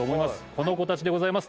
この子たちでございます。